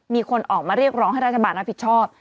มีคนออกมาเรียกร้องให้รัฐบาลรับผิดชอบ